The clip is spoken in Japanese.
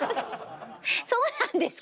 そうなんですか？